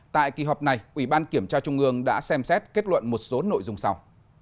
tại kỳ họp này ủy ban kiểm tra trung ương đã xem xét kết luận một số nội dung sau